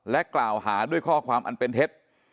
กล่าวหาด้วยข้อความอันเป็นเท็จ